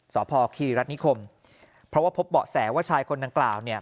สพคีรัฐนิคมเพราะว่าพบเบาะแสว่าชายคนดังกล่าวเนี่ย